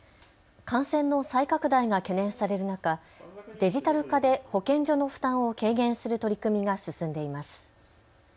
感染の再拡大が懸念される中、デジタル化で保健所の負担を軽減する取り組みが進んでいます。